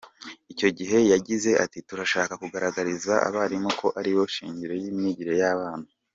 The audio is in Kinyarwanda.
Icyo gihe yagize ati “Turashaka kugaragariza abarimu ko aribo shingiro y’imyigire y’abana.